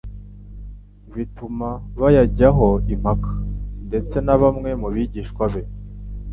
bituma bayajyaho impaka. Ndetse na bamwe mu bigishwa be